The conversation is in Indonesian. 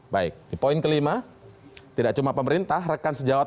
baik di poin kelima tidak cuma pemerintah rekan sejawat